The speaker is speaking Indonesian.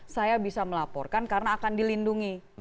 saya bisa melaporkan karena akan dilindungi